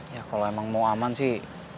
ya kalau emang mau aman sih